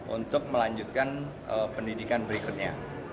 untuk melanjutkan pendidikan berikutnya